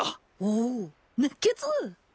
おっ熱血！